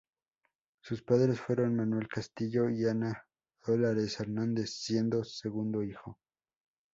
Sus padres fueron Manuel Castillo y Ana Dolores Hernández siendo segundo hijo.